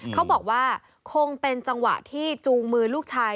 เขาบอกว่าคงเป็นจังหวะที่จูงมือลูกชาย